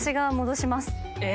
え！